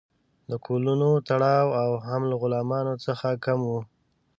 د کولونو تړاو هم له غلامانو څخه کم و.